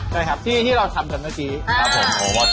ใช่ครับที่เราทำจำหน้าที